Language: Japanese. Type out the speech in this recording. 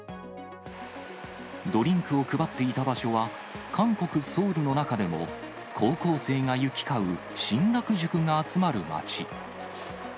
ドリンクを配っていた場所は、韓国・ソウルの中でも、高校生が行き交う進学塾が集まる街。